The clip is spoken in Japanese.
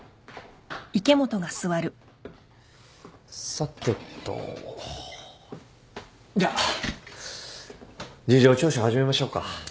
さてとじゃあ事情聴取始めましょうか。